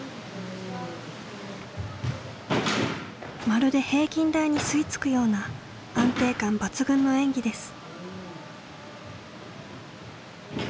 まるで平均台に吸い付くような安定感抜群の演技です。